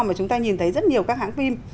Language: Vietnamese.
mà chúng ta nhìn thấy rất nhiều các hãng phim